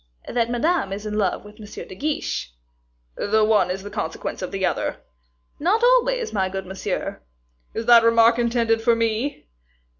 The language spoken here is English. "That Madame is in love with M. de Guiche." "The one is the consequence of the other." "Not always, my good monsieur." "Is that remark intended for me?"